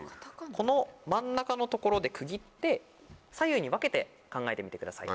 この真ん中の所で区切って左右に分けて考えてみてください。